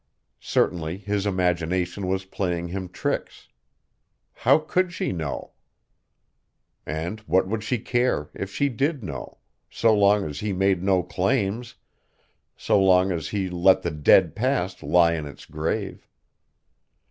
Certainly his imagination was playing him tricks. How could she know? And what would she care if she did know, so long as he made no claims, so long as he let the dead past lie in its grave.